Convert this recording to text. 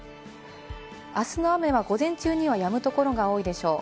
明日の雨は午前中にはやむ所が多いでしょう。